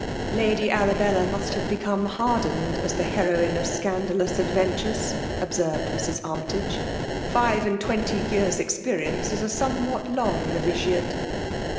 I^ady Arabella must have become har* dened, as the herohie of scandalous adven tures/' observed Mrs Armytage. " Five and twenty years' experience is a somewhat long noviciate."